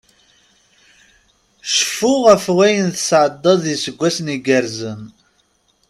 Cfu ɣef ayen tεaceḍ d iseggasen igerrzen!